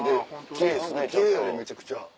奇麗めちゃくちゃ。